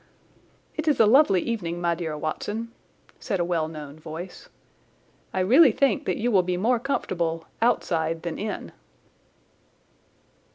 "It is a lovely evening, my dear Watson," said a well known voice. "I really think that you will be more comfortable outside than in."